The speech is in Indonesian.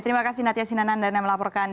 terima kasih natia sinanan dan yang melaporkan